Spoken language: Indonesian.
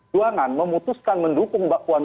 jangan memutuskan mendukung mbak puan